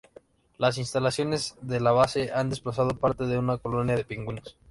Las instalaciones de la base han desplazado parte de una colonia de pingüinos.